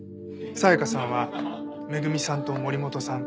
紗香さんは恵さんと森本さん